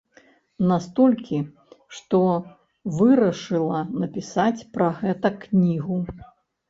Настолькі, што вырашыла напісаць пра гэта кнігу.